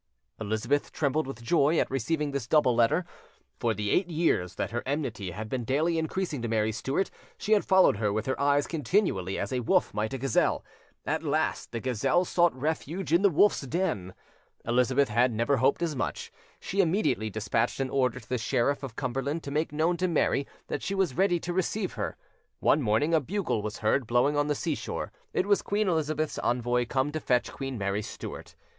Elizabeth trembled with joy at receiving this double letter; for the eight years that her enmity had been daily increasing to Mary Stuart, she had followed her with her eyes continually, as a wolf might a gazelle; at last the gazelle sought refuge in the wolf's den. Elizabeth had never hoped as much: she immediately despatched an order to the Sheriff of Cumberland to make known to Mary that she was ready to receive her. One morning a bugle was heard blowing on the sea shore: it was Queen Elizabeth's envoy come to fetch Queen Mary Stuart.